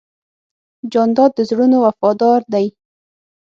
جانداد د زړونو وفادار دی.